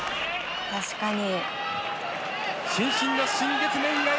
確かに。